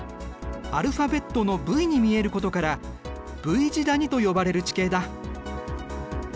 アルファベットのＶに見えることからＶ字谷と呼ばれる地形だ。